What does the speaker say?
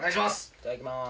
いただきます。